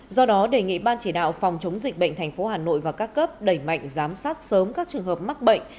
do đó đề nghị ban chỉ đạo phòng chống dịch bệnh thành phố hà nội và các cấp đẩy mạnh giám sát sớm các trường hợp mắc bệnh